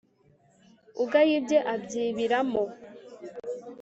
ugaya ibye abyibiramo